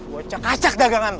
gue cek cak dagangan lo